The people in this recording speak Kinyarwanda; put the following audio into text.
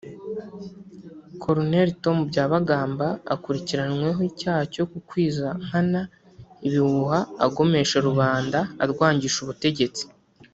Col Tom Byabagamba akurikiranyweho icyaha cyo gukwiza nkana ibihuha agomesha rubanda arwangisha ubutegetsi